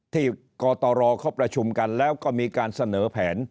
กตรเขาประชุมกันแล้วก็มีการเสนอแผน